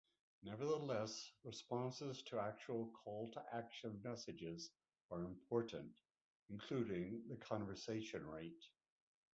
Nevertheless, responses to actual call-to-action messages are important, including the conversion rate.